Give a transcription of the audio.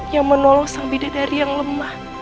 yang menolong sang bidadari yang lemah